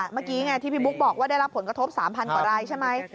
เมื่อกี้ไงที่พี่บุ๊คบอกว่าได้รับผลกระทบ๓๐๐กว่ารายใช่ไหม